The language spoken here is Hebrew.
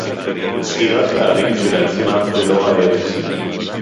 סגירת פערים כשלעצמה זה לא הערך